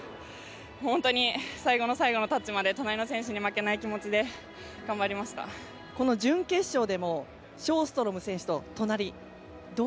本当に最後の最後のタッチまで隣の選手に負けない気持ちで準決勝でもショーストロム選手と隣。